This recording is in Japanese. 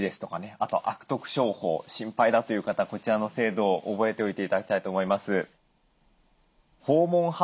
あと悪徳商法心配だという方こちらの制度を覚えておいて頂きたいと思います。